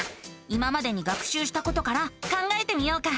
今までに学しゅうしたことから考えてみようか。